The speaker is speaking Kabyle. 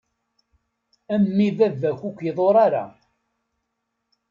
A mmi baba-k ur k-iḍur ara.